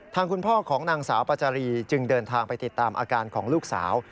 ทางคุณพ่อของนางสาวปาจารีจึงเดินทางไปติดตามอาการของลูกสาว